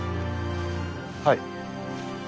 はい。